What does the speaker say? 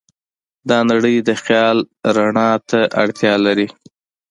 دا نړۍ د خیال رڼا ته اړتیا لري.